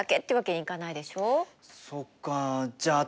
そっかじゃあ